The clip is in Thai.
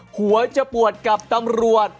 หัวจะปวดกับตำรวจ